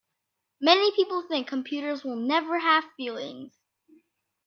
Many people think computers will never have feelings.